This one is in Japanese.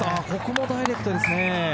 ここもダイレクトですね。